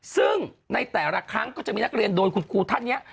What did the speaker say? ซึ่งในแต่ละครั้งก็จะมีนักเรียนโดนคุณครูท่านนี้